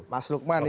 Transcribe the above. mas lukman ini